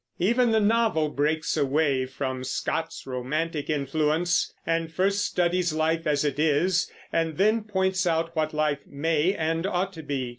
Even the novel breaks away from Scott's romantic influence, and first studies life as it is, and then points out what life may and ought to be.